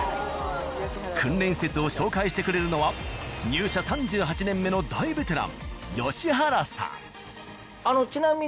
訓練施設を紹介してくれるのは入社３８年目の大ベテラン。